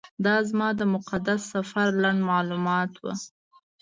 دا زما د مقدس سفر لنډ معلومات و.